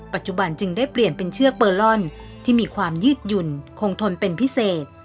ปัจจุบันจึงได้เปลี่ยนเป็นเชือกเบอร์ลอนที่มีความยืดหยุ่นคงทนเป็นพิเศษ